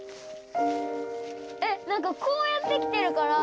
えっなんかこうやってきてるから。